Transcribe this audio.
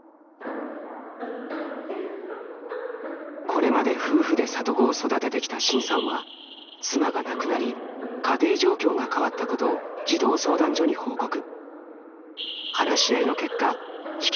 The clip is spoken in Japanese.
これまで夫婦で里子を育ててきたシンさんは妻が亡くなり家庭状況が変わったことを児童相談所に報告。